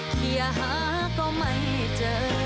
เฮียฮาก็ไม่เจ้